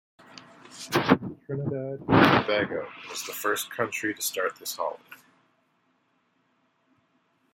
Trinidad and Tobago was the first country to start this holiday.